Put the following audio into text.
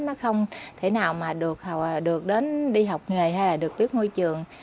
nó không thể nào mà được đến đi học nghề hay là được biết môi trường